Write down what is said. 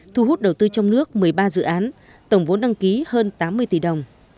thu hút đầu tư trong nước một mươi ba dự án tổng vốn đăng ký hơn tám mươi tỷ đồng